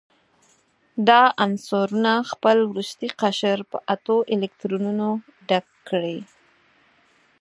دا عنصرونه خپل وروستی قشر په اتو الکترونونو ډک کړي.